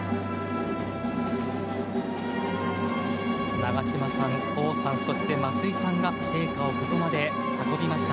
長嶋さん、王さんそして松井さんが聖火をここまで運びました。